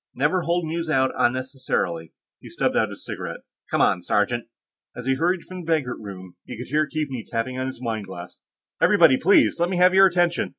Never hold news out unnecessarily." He stubbed out his cigarette. "Come on, sergeant." As he hurried from the banquet room, he could hear Keaveney tapping on his wine glass. "Everybody, please! Let me have your attention!